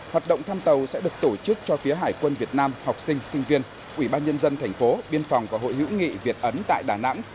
hải quân việt nam học sinh sinh viên ủy ban nhân dân thành phố biên phòng và hội hữu nghị việt ấn tại đà nẵng